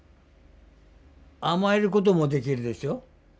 甘えることもできるでしょ。